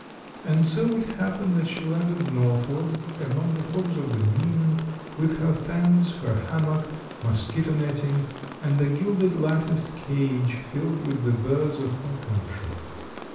And so it happened that she landed northward, among the fogs of the Niemen, with her fans, her hammock, mosquito nettings, and a gilded, latticed cage, filled with the birds of her country.